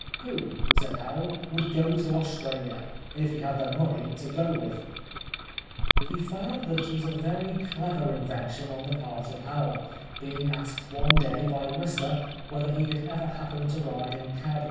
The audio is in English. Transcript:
" Who," said Howell, " would go to Australia, if he had the money to go with ?" He found that it was a very clever invention on the part of Howell, being asked one day by Whistler whether he had ever happened to ride in cab No.